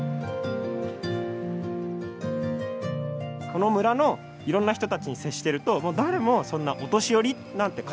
この村のいろんな人たちに接してると誰もそんなお年寄りなんて感じることはないですね。